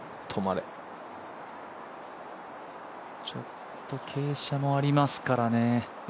ちょっと傾斜もありますからね。